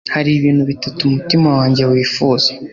hari ibintu bitatu umutima wanjye wifuza